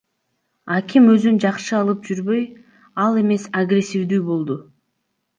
Аким өзүн жакшы алып жүрбөй, ал эмес агрессивдүү болду.